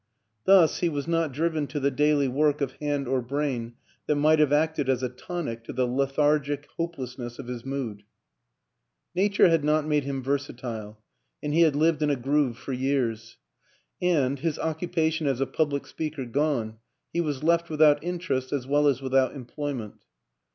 Thus, he was not driven to the daily work of hand or brain that might have acted as a tonic to the lethargic hopelessness of his mood. 232 WILLIAM AN ENGLISHMAN Nature had not made him versatile and he had lived in a groove for years; and, his occupation as a public speaker gone, he was left without in terest as well as without employment.